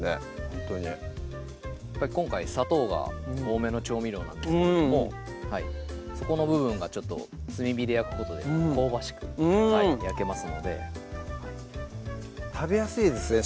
ほんとに今回砂糖が多めの調味料なんですけれどもそこの部分が炭火で焼くことで香ばしく焼けますので食べやすいですね